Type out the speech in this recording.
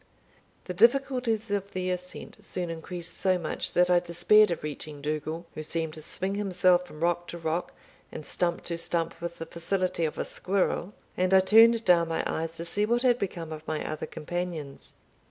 The difficulties of the ascent soon increased so much, that I despaired of reaching Dougal, who seemed to swing himself from rock to rock, and stump to stump, with the facility of a squirrel, and I turned down my eyes to see what had become of my other companions.